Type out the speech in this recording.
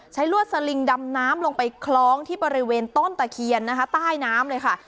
ลวดสลิงดำน้ำลงไปคล้องที่บริเวณต้นตะเคียนนะคะใต้น้ำเลยค่ะ